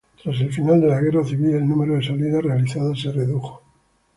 Tras el final de la guerra civil, el número de salidas realizadas se redujo.